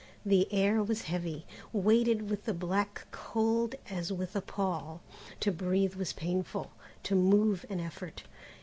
The air was heavy, weighted with the black cold as with a pall. To breathe was painful, to move an effort.